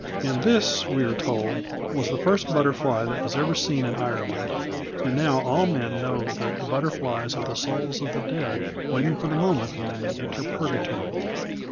"And this," we are told, "was the first butterfly that was ever seen in Ireland; and now all men know that the butterflies are the souls of the dead waiting for the moment when they may enter Purgatory."